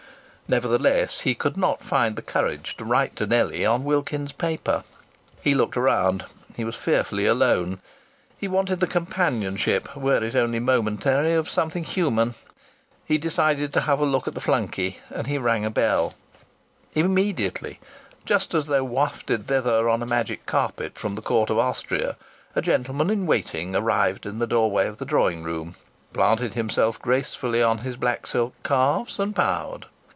Nevertheless, he could not find the courage to write to Nellie on Wilkins's paper. He looked around. He was fearfully alone. He wanted the companionship, were it only momentary, of something human. He decided to have a look at the flunkey, and he rang a bell. Immediately, just as though wafted thither on a magic carpet from the Court of Austria, a gentleman in waiting arrived in the doorway of the drawing room, planted himself gracefully on his black silk calves, and bowed.